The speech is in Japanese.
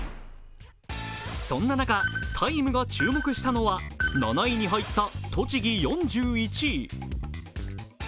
そんな中、ＴＩＭＥが注目したのは７位に入った栃木４１位。